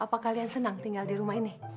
apa kalian senang tinggal di rumah ini